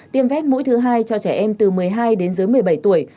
tiêm vét mũi thứ hai cho trẻ em từ một mươi hai đến dưới một mươi bảy tuổi